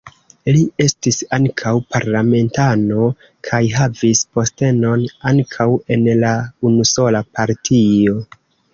Li estis ankaŭ parlamentano kaj havis postenon ankaŭ en la unusola partio.